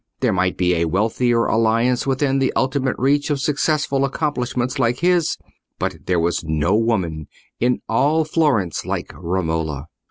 There might be a wealthier alliance within the ultimate reach of successful accomplishments like his, but there was no woman in all Florence like Romola.